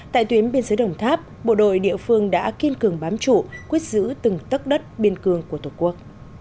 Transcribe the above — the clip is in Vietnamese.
tại tuyến biên giới đồng tháp bộ đội địa phương đã kiên cường bám trụ quyết giữ từng tất đất biên cương của tổ quốc